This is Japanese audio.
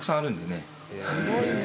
すごいね。